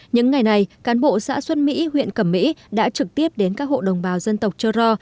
những ngày này cán bộ xã xuân mỹ huyện cẩm mỹ đã trực tiếp đến các hộ đồng bào dân tộc chơ ro